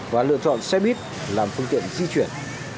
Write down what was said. và lựa chọn xe buýt làm phương tiện di chuyển